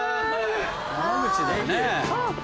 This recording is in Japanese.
山口だよね。